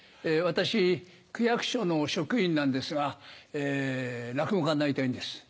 私区役所の職員なんですが落語家になりたいんです。